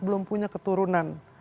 belum punya keturunan